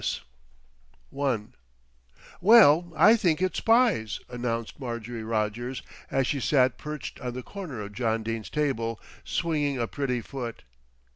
S. I "Well, I think it's spies," announced Marjorie Rogers, as she sat perched on the corner of John Dene's table, swinging a pretty foot.